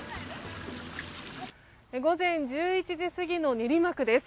午前１１時過ぎの練馬区です。